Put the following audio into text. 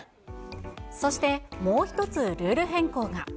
そしてもう１つ、ルール変更が。